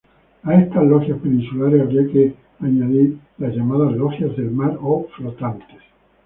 A estas logias peninsulares habría que añadir las llamadas Logias del Mar o Flotantes.